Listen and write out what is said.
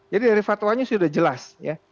jadi dari fatwanya sudah jelas ya